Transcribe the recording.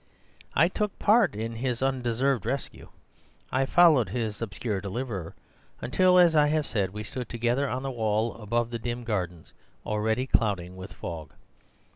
I took part in his undeserved rescue, I followed his obscure deliverer, until (as I have said) we stood together on the wall above the dim gardens, already clouding with fog.